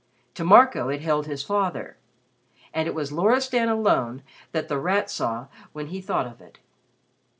To Marco it held his father. And it was Loristan alone that The Rat saw when he thought of it.